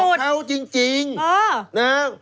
ของเขาจริง